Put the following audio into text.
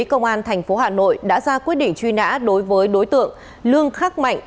công an tp hà nội đã ra quyết định truy nã đối với đối tượng lương khắc mạnh